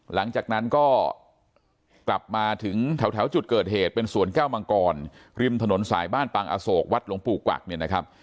หลังจากนั้นก็กลับมาถึงแถวจุดเกิดเหตุเป็นสวนแก้วมังกรริมถนนสายบ้านปางอโศกวัดหลวงปู่กวักเนี่ยนะครับ